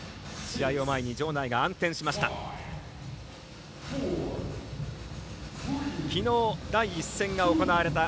試合を前に場内が暗転しました。